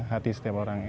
hati setiap orang